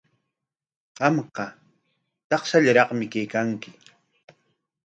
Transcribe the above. Qamqa takshallaraqmi kaykanki.